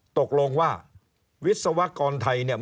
ตกลงว่าวิศวกรไทยเนี่ย